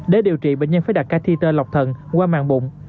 để điều trị bệnh nhân phải đặt catheter lọc thận qua màng bụng